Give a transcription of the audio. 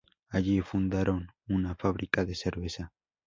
Allí fundaron una fábrica de cerveza.